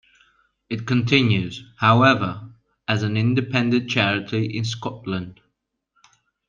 It continues, however, as an independent charity in Scotland.